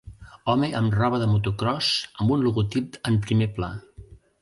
Home amb roba de motocròs, amb un logotip en primer pla.